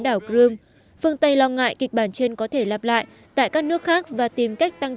đảo crimea phương tây lo ngại kịch bản trên có thể lặp lại tại các nước khác và tìm cách tăng